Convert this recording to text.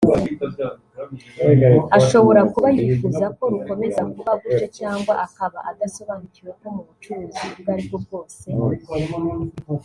ashobora kuba yifuza ko rukomeza kuba gutyo cyangwa akaba adasobanukiwe ko mu bucuruzi ubwo ari bwo bwose